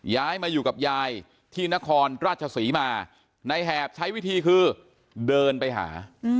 ย้ายมาอยู่กับยายที่นครราชศรีมาในแหบใช้วิธีคือเดินไปหา